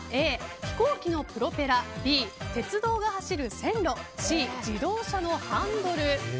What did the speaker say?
Ａ、飛行機のプロペラＢ、鉄道が走る線路Ｃ、自動車のハンドル。